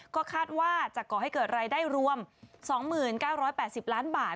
ก็คาดว่าจะก่อให้เกิดรายได้รวม๒๙๘๐ล้านบาท